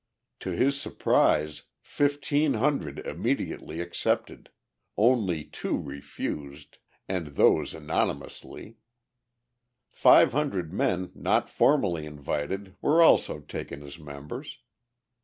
To his surprise 1,500 immediately accepted, only two refused, and those anonymously; 500 men not formally invited were also taken as members.